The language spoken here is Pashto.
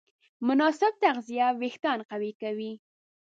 مناسب تغذیه وېښتيان قوي کوي.